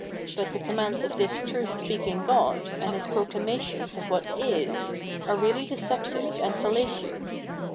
But the commands of this truth speaking god, and his proclamations of what is, are really deceptive and fallacious.